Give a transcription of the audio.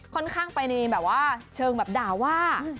ค่อนข้างไปในแบบว่าเชิงแบบด่าว่า